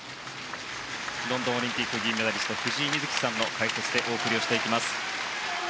ロンドンオリンピック銀メダリスト藤井瑞希さんの解説でお送りしていきます。